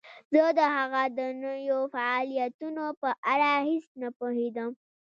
زه د هغه د نویو فعالیتونو په اړه هیڅ نه پوهیدم